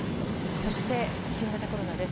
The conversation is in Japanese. そして、新型コロナです。